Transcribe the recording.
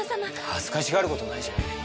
恥ずかしがる事ないじゃない。